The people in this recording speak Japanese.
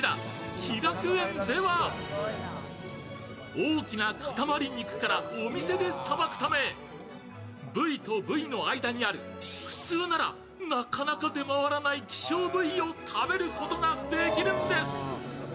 大きな塊肉からお店でさばくため部位と部位の間にある普通ならなかなか出回らない希少部位を食べることができるんです。